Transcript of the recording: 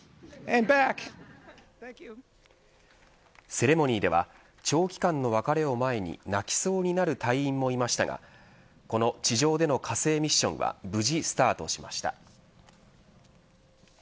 セレモニーでは長期間の別れを前に泣きそうになる隊員もいましたがこの地上での火星ミッションは無事、スタートしました。